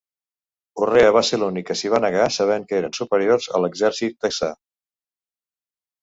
Urrea va ser l'únic que s'hi va negar sabent que eren superiors a l'exèrcit texà.